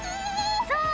そう！